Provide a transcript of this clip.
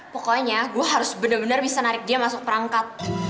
pokoknya gue harus benar benar bisa narik dia masuk perangkat